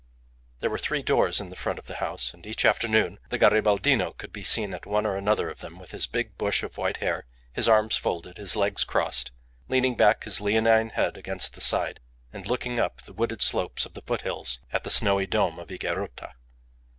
There were three doors in the front of the house, and each afternoon the Garibaldino could be seen at one or another of them with his big bush of white hair, his arms folded, his legs crossed, leaning back his leonine head against the side, and looking up the wooded slopes of the foothills at the snowy dome of Higuerota.